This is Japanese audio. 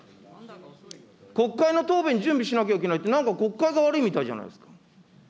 国会の答弁準備しなきゃいけないって、なんか国会が悪いみたいじゃないですか。